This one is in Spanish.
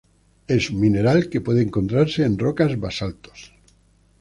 Es un mineral que puede encontrarse en rocas basaltos.